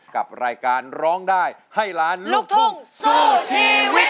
กับรายการร้องได้ให้ล้านลูกทุ่งสู้ชีวิต